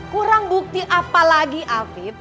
kurang bukti apalagi afif